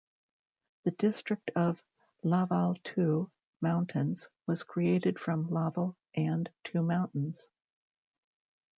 The district of Laval-Two Mountains was created from Laval and Two Mountains.